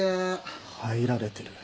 入られてる。